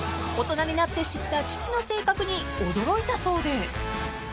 ［大人になって知った父の性格に驚いたそうで］